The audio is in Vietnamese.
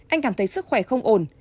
anh cảm thấy sức khỏe không ổn